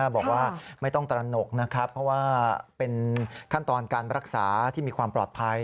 บอกว่าไม่ต้องตระหนกนะครับเพราะว่าเป็นขั้นตอนการรักษาที่มีความปลอดภัย